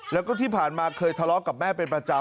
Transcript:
แล้วก็ที่ผ่านมาเคยทะเลาะกับแม่เป็นประจำ